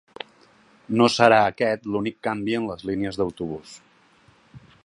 No serà aquest l’únic canvi en les línies d’autobús.